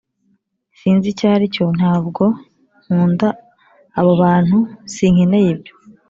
sinzi icyo aricyontabwo nkunda abo bantusinkeneye ibyo.